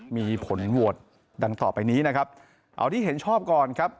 มีผลโหวตดังต่อไปนี้นะครับเอาที่เห็นชอบก่อนครับ